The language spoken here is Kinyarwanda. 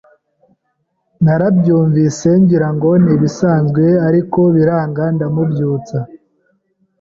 Narabyumvise ngirango ni ibisanzwe ariko biranga ndamubyutsa